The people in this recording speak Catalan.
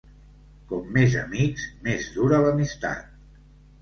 Com més amics, més dura l'amistat.